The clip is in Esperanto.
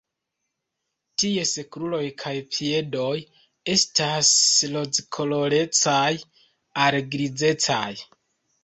Ties kruroj kaj piedoj estas rozkolorecaj al grizecaj.